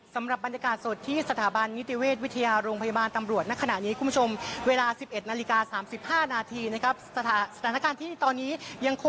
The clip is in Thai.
สำหรับบรรยากาศสดที่สถาบันนิติเวชวิทยาโรงพยาบาลตำรวจณขณะนี้คุณผู้ชมเวลา๑๑๓๕นสถานการณ์ที่ตอนนี้ยังคือ